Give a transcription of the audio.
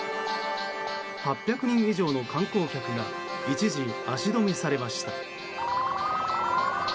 ８００人以上の観光客が一時、足止めされました。